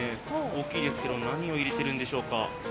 大きいですけども、何を入れてるんでしょうか。